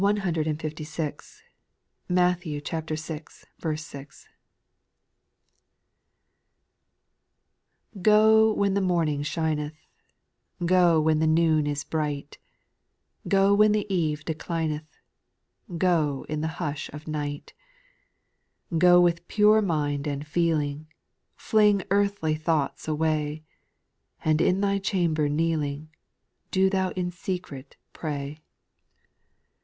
156. Matthew vi. 6. // 1. f\0 when the morning shineth — Go when the noon is brisrht — G" Go when the eve declincth — Go in the hush of night : Go with pure mind and feeling, Fling earthly thoughts away, And in thy chamber kneeling, Do thou in secret pray.